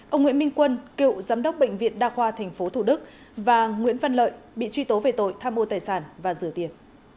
ông nguyễn minh quân cựu giám đốc bệnh viện đa khoa tp thủ đức và nguyễn văn lợi bị truy tố về tội tham ô tài sản và rửa tiền